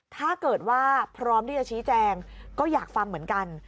ถ้าเกิดว่าพร้อมที่จะชี้แจงก็อยากฟังเหมือนกัน